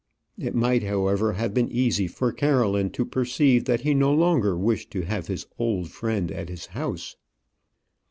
It might, however, have been easy for Caroline to perceive that he no longer wished to have his old friend at his house.